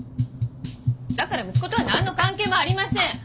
だから息子とはなんの関係もありません！